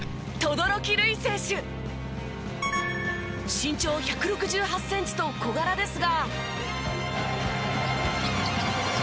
身長１６８センチと小柄ですが。